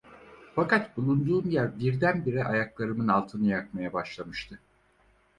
Fakat bulunduğum yer, birdenbire ayaklarımın altını yakmaya başlamıştı!